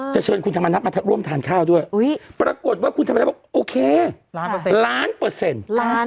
จะเชิญคุณธรรมนัดมาร่วมทานข้าวด้วยปรากฏว่าคุณธรรมนัดบอกโอเคล้านเปอร์เซ็นต์